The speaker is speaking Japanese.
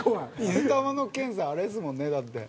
水玉のケンさんあれですもんねだって。